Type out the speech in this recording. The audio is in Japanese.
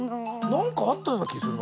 なんかあったようなきするな。